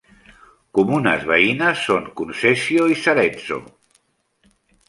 Comunes veïnes són Concesio i Sarezzo.